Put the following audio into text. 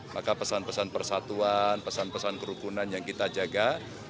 maka pesan pesan persatuan pesan pesan kerukunan yang kita jaga